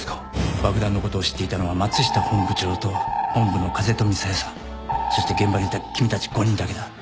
爆弾のことを知っていたのは松下本部長と本部の風富小夜さんそして現場にいた君たち５人だけだ。